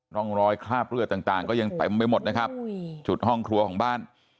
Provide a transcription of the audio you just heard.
ร่องรอยคราบเลือดต่างก็ยังเต็มไปหมดนะครับจุดห้องครัวของบ้าน